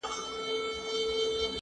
زه تمرين کړي دي!